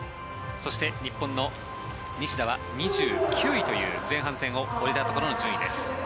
そして、日本の西田は２９位という前半戦を終えたところの順位です。